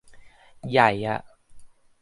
ใหญ่อะ